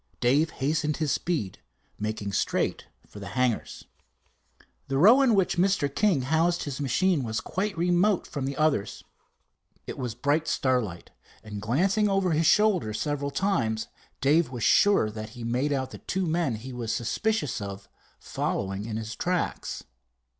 Dave hastened his speed, making straight for the hangars. The row in which Mr. King housed his machine was quite remote from the others. It was bright starlight, and glancing over his shoulders several times Dave was sure that he made out the two men he was suspicious of following in his tracks.